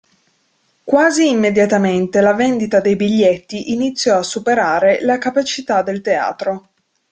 Quasi immediatamente la vendita dei biglietti iniziò a superare la capacità del teatro.